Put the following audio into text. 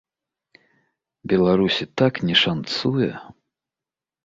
Беларусі так не шанцуе.